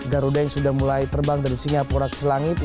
garuda yang sudah mulai terbang dari singapura ke selangit